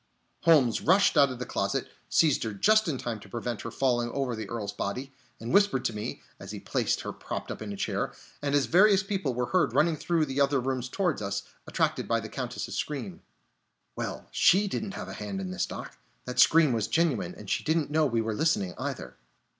Holmes rushed out of the closet, seized her just in time to prevent her falling over the Earl's body, and whispered to me, as he placed her propped up in a chair, and as various people were heard running through the other rooms toward us, attracted by the Countess's scream: "Well, she didn't have a hand in this, Doc. That scream was genuine, and she didn't know we were listening, either."